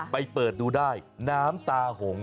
เปิดดูได้น้ำตาหง